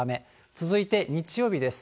続いて日曜日です。